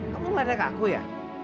kamu meledak aku ya